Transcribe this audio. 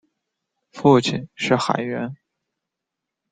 父亲是海员。